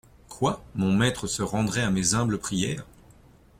Quoi ! mon maître se rendrait à mes humbles prières ?